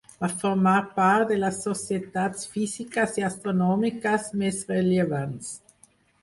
Va formar part de les societats físiques i astronòmiques més rellevants.